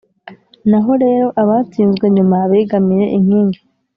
naho rero abatsinzwe nyuma begamiye inkingi,